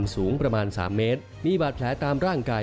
สูงประมาณ๓เมตรมีบาดแผลตามร่างกาย